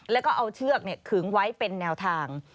แล้วก็เอาเชือกขึงไว้เป็นแนวทาง